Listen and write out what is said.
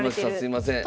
すいません。